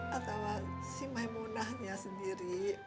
atau si maimunahnya sendiri